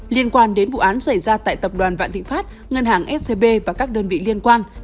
liên quan đến vụ án xảy ra tại tập đoàn vạn thịnh pháp ngân hàng scb và các đơn vị liên quan